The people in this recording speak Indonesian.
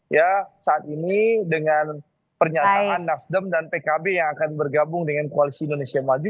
ya saat ini dengan pernyataan nasdem dan pkb yang akan bergabung dengan koalisi indonesia maju